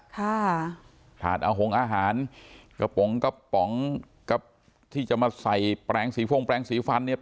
ถาดเอาหงอาหารกระป๋องกระป๋องกระที่จะมาใส่แปลงสีฟงแปลงสีฟันเนี่ย